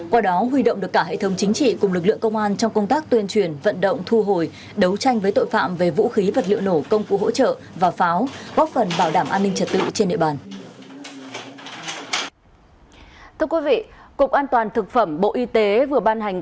qua đó huy động được cả hệ thống chính trị cùng lực lượng công an trong công tác tuyên truyền vận động thu hồi đấu tranh với tội phạm về vũ khí vật liệu nổ công cụ hỗ trợ và pháo góp phần bảo đảm an ninh trật tự trên địa bàn